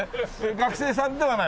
学生さんではない？